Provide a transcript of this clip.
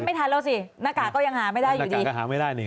ก็ไม่ทันแล้วสิหน้ากากก็ยังหาไม่ได้อยู่ดี